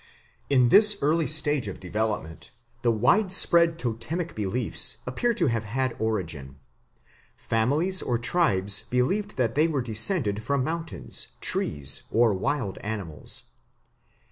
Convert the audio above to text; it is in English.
In this early stage of development the widespread totemic beliefs appear to have had origin. Families or tribes believed that they were descended from mountains, trees, or wild animals.